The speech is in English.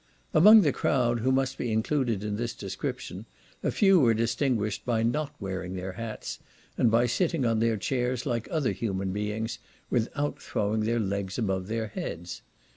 Among the crowd, who must be included in this description, a few were distinguished by not wearing their hats, and by sitting on their chairs like other human beings, without throwing their legs above their heads.